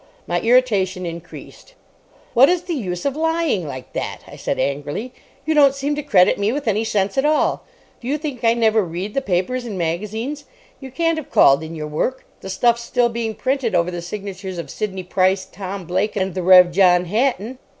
My irritation increased. "What is the use of lying like that?" I said angrily. "You don't seem to credit me with any sense at all. Do you think I never read the papers and magazines? You can't have called in your work. The stuff's still being printed over the signatures of Sidney Price, Tom Blake, and the Rev. John Hatton."